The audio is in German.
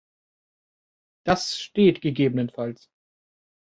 Das steht ggfs.